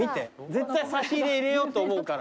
絶対差し入れ入れようと思うから。